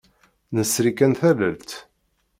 Nesri kan tallalt.